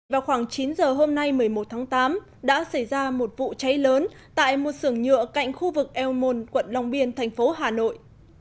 vào khoảng chín giờ hôm nay một mươi một tháng tám đã xảy ra một vụ cháy lớn tại một sưởng nhựa cạnh khu vực el môn quận long biên thành phố hà nội